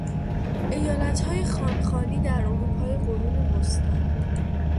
ایالت های خان خانی در اروپای قرون وسطی